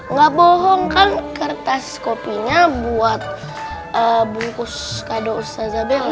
nggak bohong kan kertas kopinya buat bungkus kado ustazabele